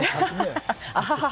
アハハハ！